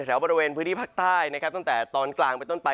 แถวบริเวณพื้นที่ภาคใต้นะครับตั้งแต่ตอนกลางไปต้นไป